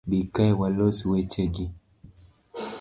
Bi kae walos weche gi